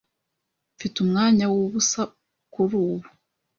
Mfite umwanya wubusa kurubu.